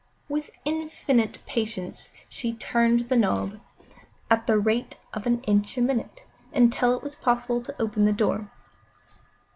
With infinite patience she turned the knob at the rate of an inch a minute, until it was possible to open the door.